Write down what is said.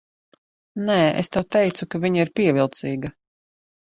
Nē, es tev teicu, ka viņa ir pievilcīga.